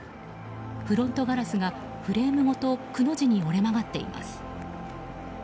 フロントガラスがフレームごとくの字に折れ曲がっています。